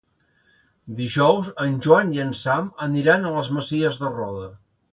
Dijous en Joan i en Sam aniran a les Masies de Roda.